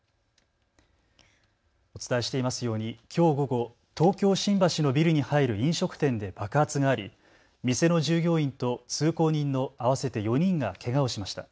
お伝えしていますようにきょう午後、東京新橋のビルに入る飲食店で爆発があり店の従業員と通行人の合わせて４人がけがをしました。